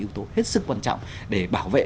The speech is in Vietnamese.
yếu tố hết sức quan trọng để bảo vệ